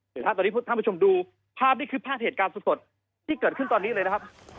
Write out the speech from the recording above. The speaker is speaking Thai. เดี๋ยวถ้าตอนนี้ท่านผู้ชมดูภาพนี้คือภาพเหตุการณ์สดที่เกิดขึ้นตอนนี้เลยนะครับ